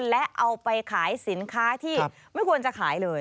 และเอาไปขายสินค้าที่ไม่ควรจะขายเลย